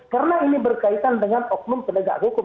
karena ini berkaitan dengan oknum penegak hukum